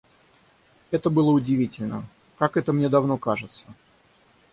Это было удивительно... Как это мне давно кажется!